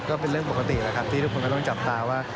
ก็เป็นเรื่องปกติแล้วครับที่ทุกคนก็ต้องจับตาว่า